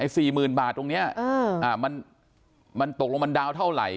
ไอ้สี่หมื่นบาทตรงเนี้ยอ่ามันมันตกลงมันดาวน์เท่าไหร่